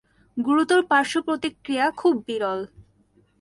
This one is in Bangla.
গুরুতর পার্শ্ব প্রতিক্রিয়া খুব বিরল।